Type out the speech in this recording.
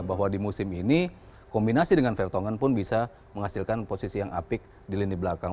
bahwa di musim ini kombinasi dengan vertongen pun bisa menghasilkan posisi yang apik di lini belakang